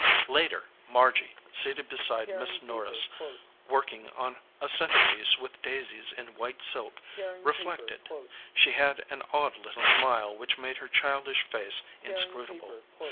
Later, Margy, seated beside Miss Norris, work ing on a centerpiece with daisies in white silk, re flected. She had an odd little smile which made her childish face inscrutable.